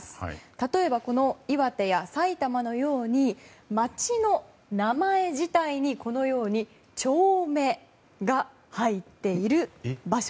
例えば、この岩手や埼玉のように町の名前自体に「丁目」が入っている場所。